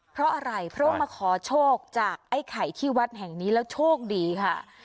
เพราะอะไรเพราะให้มาขอโชคจากไข่ที่วัดแล้วโชคดีค่ะ